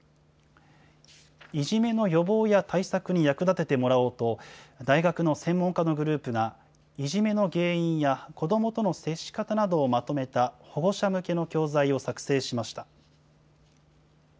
いじめの予防や対策に役立ててもらおうと、大学の専門家のグループが、いじめの原因や子どもとの接し方などをまとめた保護者向けの教材を作成しました。